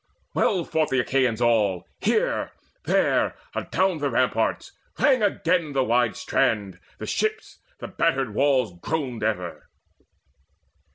Well fought the Achaeans all, Here, there, adown the ramparts: rang again The wide strand and the ships: the battered walls Groaned ever.